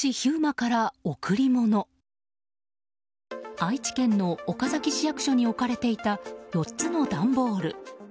愛知県の岡崎市役所に置かれていた４つの段ボール。